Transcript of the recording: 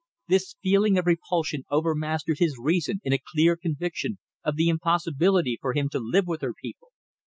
This feeling of repulsion overmastered his reason in a clear conviction of the impossibility for him to live with her people.